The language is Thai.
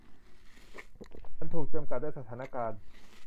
ฉันถูกจำกัดด้วยสถานการณ์